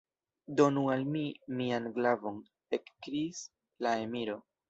Donu al mi mian glavon! ekkriis la emiro.